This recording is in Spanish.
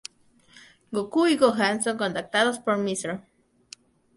Goku y Gohan son contactados por Mr.